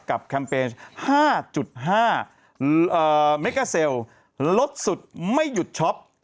แคมเปญ๕๕เมกาเซลลดสุดไม่หยุดช็อป